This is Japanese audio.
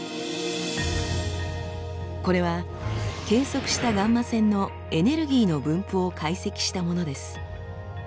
これは計測したガンマ線のエネルギーの分布を解析したものです。